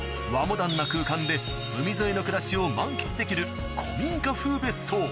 モダンな空間で海沿いの暮らしを満喫できる古民家風別荘